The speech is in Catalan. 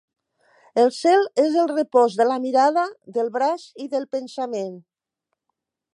El cel és el repòs de la mirada, del braç i del pensament.